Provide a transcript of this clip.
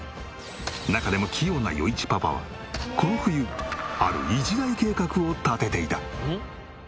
中でも器用な余一パパはこの冬ある一大計画を立てていた。